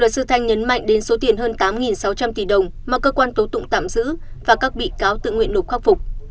luật sư thanh nhấn mạnh đến số tiền hơn tám sáu trăm linh tỷ đồng mà cơ quan tố tụng tạm giữ và các bị cáo tự nguyện nộp khắc phục